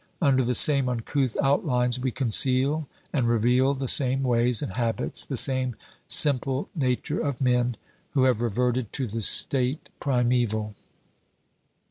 Under the same uncouth outlines we conceal and reveal the same ways and habits, the same simple nature of men who have reverted to the state primeval.